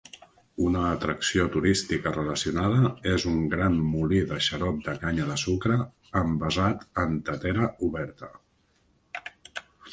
Una atracció turística relacionada és un gran molí de xarop de canya de sucre envasat en tetera oberta.